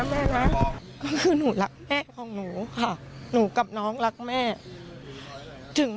ไม่เคยคิดเลยว่าแม่จะโดนกระทำแบบนี้